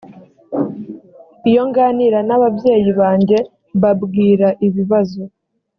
iyo nganira n ababyeyi banjye mbabwira ibibazo